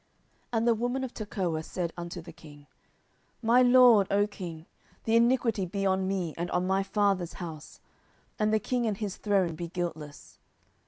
10:014:009 And the woman of Tekoah said unto the king, My lord, O king, the iniquity be on me, and on my father's house: and the king and his throne be guiltless.